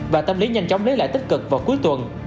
và tâm lý nhanh chóng lấy lại tích cực vào cuối tuần